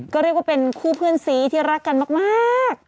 ก็เรียกว่าเป็นคู่เพื่อนซีที่รักกันมาก